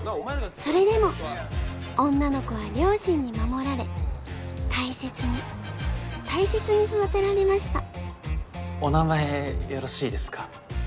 それでも女の子は両親に守られ大切に大切に育てられましたお名前よろしいですか？